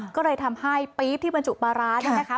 ก็เลยทำให้ปี๊บที่บรรจุปารัสนะคะ